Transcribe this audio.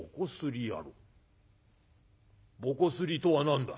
『ぼこすり』とは何だ？」。